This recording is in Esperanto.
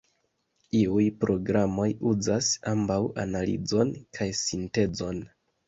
Iuj programoj uzas ambaŭ analizon kaj sintezon.